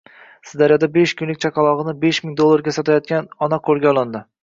Sirdaryoda besh kunlik chaqalog‘inibeshming dollarga sotayotgan ona qo‘lga olindi